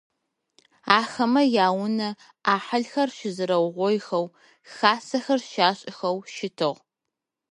Ахэмэ яунэ ӏахьылхэр щызэрэугъоихэу хасэхэр щашӏыхэу щытыгъ.